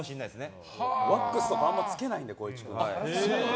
ワックスとかあまりつけないんで、光一君は。